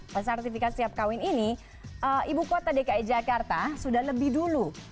dan sertifikat siap kawin ini ibu kota dki jakarta sudah lebih dulu